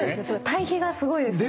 対比がすごいですね。